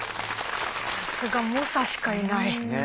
さすが猛者しかいない。